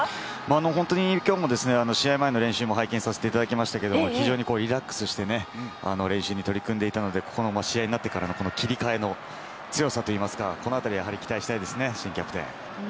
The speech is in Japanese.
本当にきょうも試合前の練習も拝見させていただきましたけれども、非常にリラックスしてね、練習に取り組んでいたので、ここの、試合になってからの切り替えの強さといいますか、このあたり、やはり期待したいですね、新キャプテン。